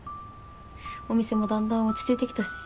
お店もだんだん落ち着いてきたし。